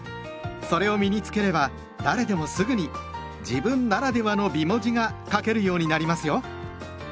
それを身に付ければ誰でもすぐに「自分ならではの美文字」が書けるようになりますよ。